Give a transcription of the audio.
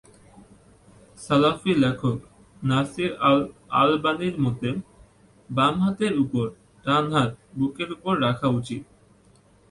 সালাফি লেখক নাসির আল-আলবানীর মতে, বাম হাতের উপর ডান হাত বুকের উপর রাখা উচিত।